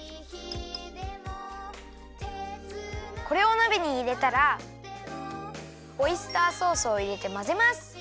これをなべにいれたらオイスターソースをいれてまぜます！